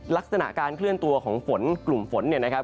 ลักษณะการเคลื่อนตัวของฝนกลุ่มฝนเนี่ยนะครับ